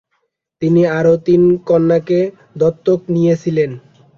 তিনি আরও তিন কন্যাকে দত্তক নিয়েছিলেন।